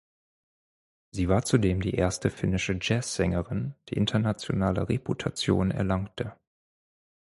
Sie war zudem die erste finnische Jazz-Sängerin, die internationale Reputation erlangte.